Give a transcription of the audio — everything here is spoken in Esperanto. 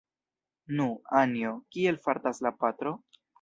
Nu, Anjo, kiel fartas la patro?